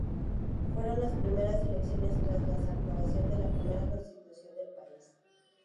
Fueron las primeras elecciones tras la aprobación de la primera constitución del país.